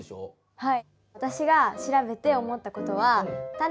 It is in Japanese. はい。